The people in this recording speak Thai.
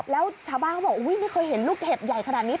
แล้วชาวบ้านเขาบอกอุ๊ยไม่เคยเห็นลูกเห็บใหญ่ขนาดนี้